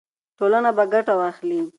ټولنه به ګټه واخلي.